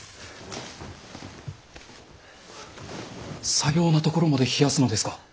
さようなところまで冷やすのですか？